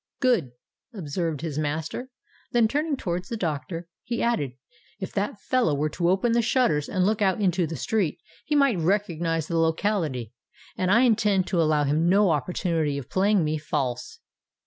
"Good!" observed his master: then, turning towards the doctor, he added, "If that fellow were to open the shutters and look out into the street, he might recognise the locality; and I intend to allow him no opportunity of playing me false."